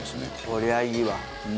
こりゃいいわ。